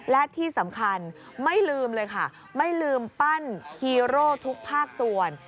และที่สำคัญไม่ลืมเลยค่ะไม่ลืมปั้นฮีโร่ทุกภาคส่วน